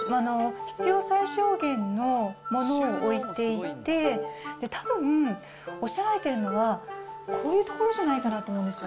必要最小限の物を置いていて、たぶん、おっしゃられてるのは、こういう所じゃないかなって思うんですよ。